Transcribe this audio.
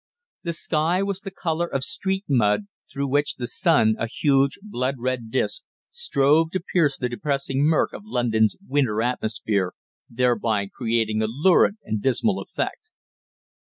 The sky was the colour of street mud, through which the sun, a huge, blood red disc, strove to pierce the depressing murk of London's winter atmosphere, thereby creating a lurid and dismal effect.